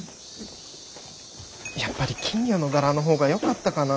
やっぱり金魚の柄の方がよかったかな？